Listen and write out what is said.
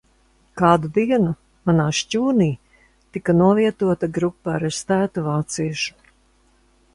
Kādu dienu manā šķūnī tika novietota grupa arestētu vāciešu.